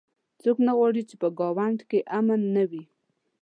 څوک نه غواړي چې په ګاونډ کې امن نه وي